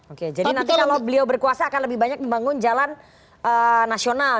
oke jadi nanti kalau beliau berkuasa akan lebih banyak membangun jalan nasional